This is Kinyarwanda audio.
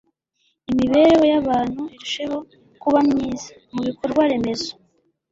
imibereho y'abantu irusheho kuba myiza. mu bikorwa remezo